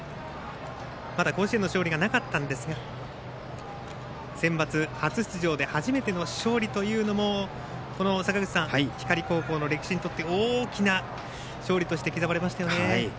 まだ甲子園の勝利がなかったんですがセンバツ初出場で初めての勝利というのも光高校の歴史にとって大きな勝利として刻まれましたよね。